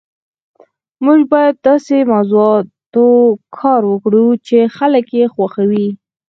موږ باید په داسې موضوعاتو کار وکړو چې خلک یې خوښوي